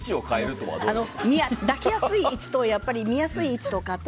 抱きやすい位置と見やすい位置とかと。